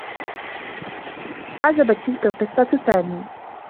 أعجبت تلك القصّة سامي.